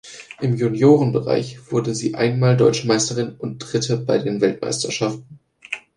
Im Juniorenbereich wurde sie einmal deutsche Meisterin und Dritte bei den Weltmeisterschaften.